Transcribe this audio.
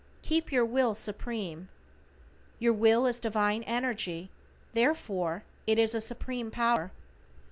=KEEP YOUR WILL SUPREME:= Your will is divine energy, therefore it is a Supreme Power.